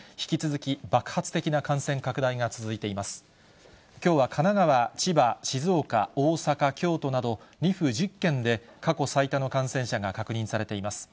きょうは神奈川、千葉、静岡、大阪、京都など、２府１０県で過去最多の感染者が確認されています。